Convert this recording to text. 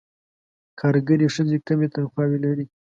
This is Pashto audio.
کارګرې ښځې کمې تنخواوې لري.